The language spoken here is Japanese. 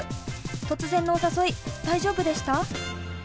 突然のお誘い大丈夫でした？